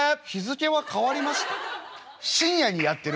深夜にやってる？